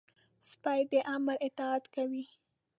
سپي د امر اطاعت کوي.